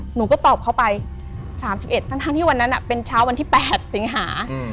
หนูก็ตอบเขาไป๓๑ทั้งที่วันนั้นเป็นเช้าวันที่๘สิงหา